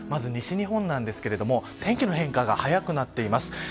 西日本なんですが天気の変化が速くなっています。